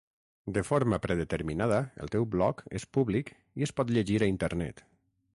De forma predeterminada el teu blog és públic i es pot llegir a internet.